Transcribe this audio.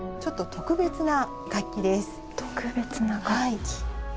特別な楽器。